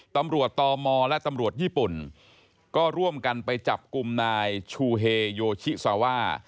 ตมและตำรวจญี่ปุ่นก็ร่วมกันไปจับกลุ่มนายชูเฮโยชิซาว่า